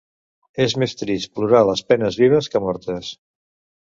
És més trist plorar les penes vives que mortes.